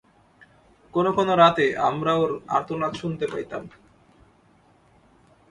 কোন কোন রাতে, আমরা ওর আর্তনাদ শুনতে পেতাম।